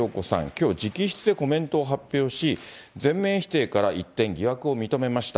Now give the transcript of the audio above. きょう直筆でコメントを発表し、全面否定から一転、疑惑を認めました。